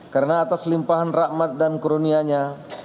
karena atas limpahan rahmat dan kronianya